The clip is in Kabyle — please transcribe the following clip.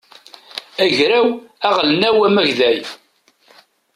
agraw aɣelnaw amagday